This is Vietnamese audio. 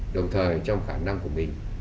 đồng thời trong khả năng của mình